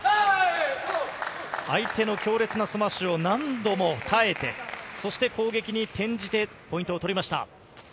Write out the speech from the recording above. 相手の強烈なスマッシュを何度も耐えて、攻撃に転じてポイントを取りました。